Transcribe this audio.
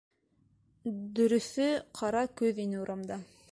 Дөрөҫө, ҡара көҙ ине урамда.